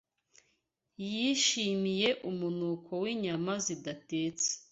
Yishimiye umunuko w'inyama zidatetse